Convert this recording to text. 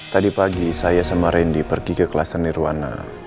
tadi pagi saya sama rindy pergi ke kelas tenirwana